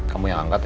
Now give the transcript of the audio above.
kamu yang angkat ya